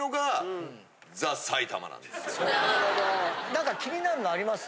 何か気になるのあります？